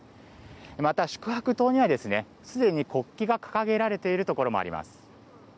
また、宿泊棟にはすでに国旗が掲げられているところもあります。